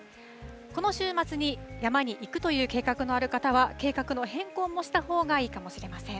この週末に山に行くという計画のある方は計画の変更もしたほうがいいかもしれません。